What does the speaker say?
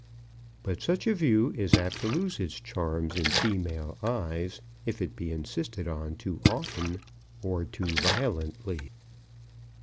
But such a view is apt to lose its charms in female eyes if it be insisted on too often, or too violently.